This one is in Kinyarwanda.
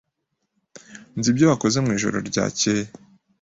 Nzi ibyo wakoze mwijoro ryakeye.